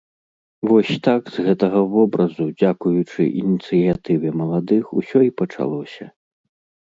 Вось так з гэтага вобразу дзякуючы ініцыятыве маладых усё і пачалося.